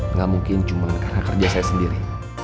nggak mungkin cuma karena kerja saya sendiri